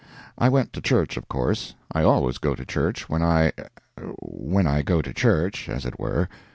I went to church, of course,—I always go to church when I—when I go to church—as it were.